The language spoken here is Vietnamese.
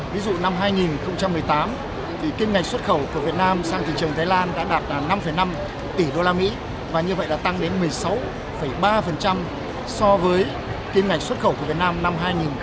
ví dụ năm hai nghìn một mươi tám kim ngạch xuất khẩu của việt nam sang thị trường thái lan đã đạt năm năm tỷ usd và như vậy đã tăng đến một mươi sáu ba so với kim ngạch xuất khẩu của việt nam năm hai nghìn một mươi bảy